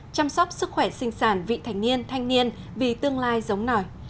chăm sóc sức khỏe sinh sản vị thanh niên thanh niên vì tương lai giống nổi